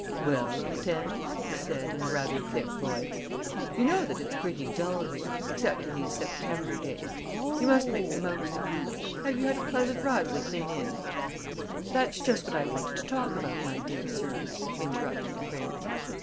"Well, Hortense!" he said, in a rather thick voice. "You know that it's pretty dull here, except in these September days. You must make the most of them. Have you had a pleasant ride with Rénine?" "That's just what I wanted to talk about, my dear sir," interrupted the prince.